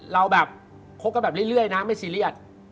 เราแบบคบกันแบบเรื่อยนะไม่ซีเรียส